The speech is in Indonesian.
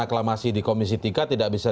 aklamasi di komisi tiga tidak bisa